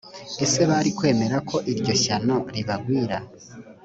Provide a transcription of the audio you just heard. ese bari kwemera ko iryo shyano ribagwira